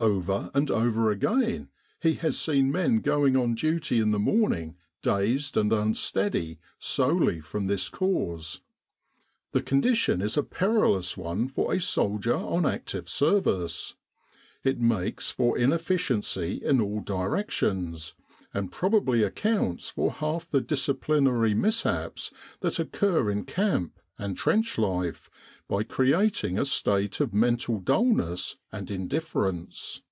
Over and over again he has seen men going on duty in the morning dazed and unsteady solely from this cause. The condition is a perilous one for a soldier on active service. It makes for inefficiency in all directions, and probably 169 With the R.A.M.C. in Egypt accounts for half the disciplinary mishaps that occur in camp and trench life, by creating a state of mental dullness and indifference.